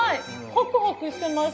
ホクホクしてます。